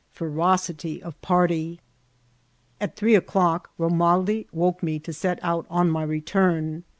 — Fendlj ol Ptciy* At three o'clock Bomaldi woke me to set out on my return.